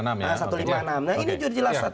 nah ini juga jelas satu ratus lima puluh enam a